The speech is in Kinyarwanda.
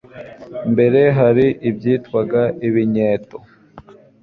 mbere hari ibyitwaga ibinyeto